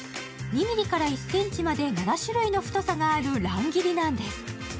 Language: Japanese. ２ｍｍから１ｃｍまで７種類の太さがある乱切りなんです。